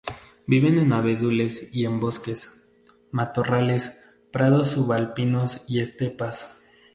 Viven en abedules y en bosques, matorrales, prados subalpinos y estepas.